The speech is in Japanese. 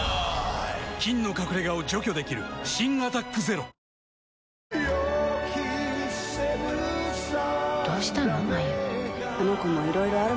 菌の隠れ家を除去できる新「アタックＺＥＲＯ」ご存知ですか？